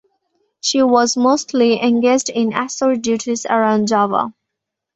She was mostly engaged in escort duties around Java.